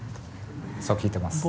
そう聞いてます。